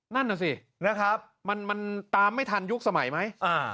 นั่นน่ะสินะครับมันตามไม่ทันยุคสมัยไหม